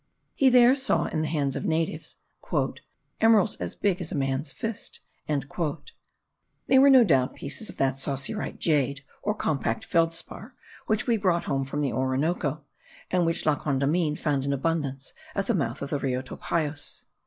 He there saw, in the hands of the natives, "emeralds as big as a man's fist." They were, no doubt, pieces of that saussurite jade, or compact feldspar, which we brought home from the Orinoco, and which La Condamine found in abundance at the mouth of the Rio Topayos.